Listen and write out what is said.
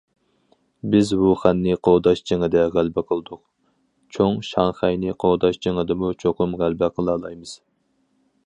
بىز ۋۇخەننى قوغداش جېڭىدە غەلىبە قىلدۇق، چوڭ شاڭخەينى قوغداش جېڭىدىمۇ چوقۇم غەلىبە قىلالايمىز.